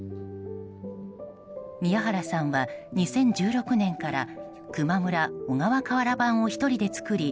宮原さんは２０１６年から球磨村おがわ瓦版を１人で作り